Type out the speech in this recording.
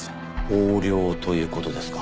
横領という事ですか？